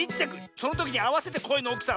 そのときにあわせてこえのおおきさ。